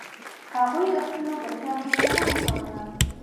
هغوی د خپلو بچیانو ساتنه کوله.